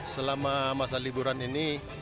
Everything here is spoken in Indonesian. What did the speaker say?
selama masa liburan ini